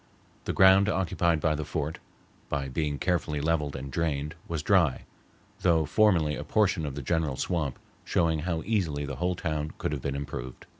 The ground occupied by the fort, by being carefully leveled and drained, was dry, though formerly a portion of the general swamp, showing how easily the whole town could have been improved.